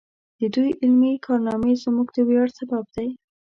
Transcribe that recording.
د دوی علمي کارنامې زموږ د ویاړ سبب دی.